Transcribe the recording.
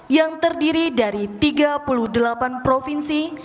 yang terdiri dari tiga puluh delapan provinsi